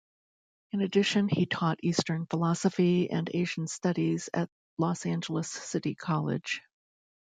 In addition, he taught Eastern Philosophy and Asian Studies at Los Angeles City College.